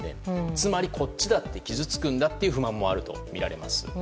つまりこっちだって傷つくんだという不満もあるとみられます。